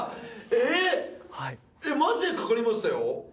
えっマジでかかりましたよ。